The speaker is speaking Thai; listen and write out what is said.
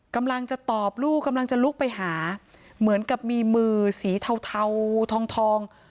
กำลังจะตอบลูกกำลังจะลุกไปหาเหมือนกับมีมือสีเทาทอง